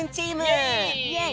イエイ！